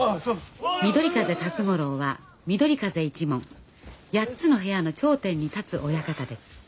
緑風立五郎は緑風一門８つの部屋の頂点に立つ親方です。